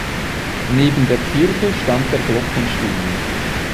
Neben der Kirche stand der Glockenstuhl.